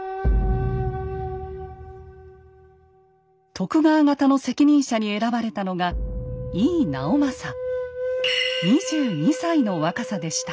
徳川方の責任者に選ばれたのが２２歳の若さでした。